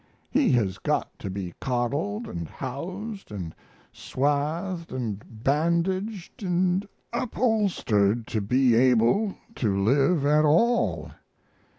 He has got to be coddled and housed and swathed and bandaged and up holstered to be able to live at all.